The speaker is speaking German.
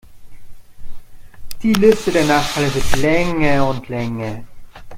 Die Liste der Nachteile wird länger und länger.